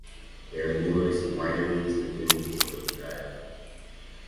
There are numerous wineries within a short drive.